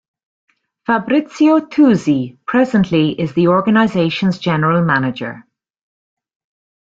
Fabrizio Tuzi presently is the organisation's general manager.